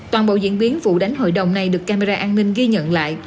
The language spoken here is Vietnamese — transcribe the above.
toàn bộ diễn biến vụ đánh hội đồng này được camera an ninh ghi nhận lại